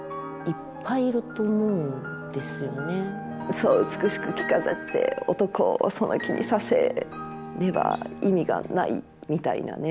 そう美しく着飾って男をその気にさせねば意味がないみたいなね。